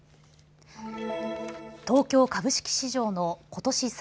東京株式市場のことし